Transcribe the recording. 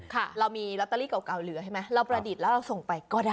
เรามีลอตเตอรี่เก่าเก่าเหลือใช่ไหมเราประดิษฐ์แล้วเราส่งไปก็ได้